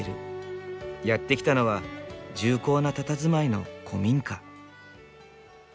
やって来たのは重厚なたたずまいの古民家。